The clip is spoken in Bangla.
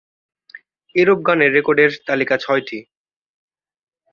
এরূপ গানের রেকর্ডের তালিকা ছয়টি।